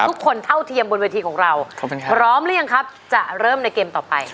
เท่าเทียมบนเวทีของเราพร้อมหรือยังครับจะเริ่มในเกมต่อไป